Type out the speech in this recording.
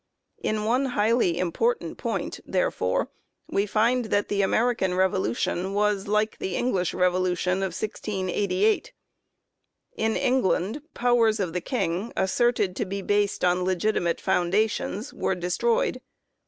In one highly important point, therefore, we find that the American Revolution was like the English Re volution of 1688. In England powers of the King, asserted to be based on legitimate foundations, were destroyed.